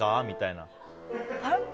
みたいな。